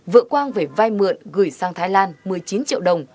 vợ quang về vai mượn gửi sang thái lan